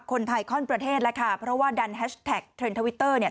คนไทยข้อนประเทศแล้วค่ะเพราะว่าดันแฮชแท็กเทรนดทวิตเตอร์เนี่ย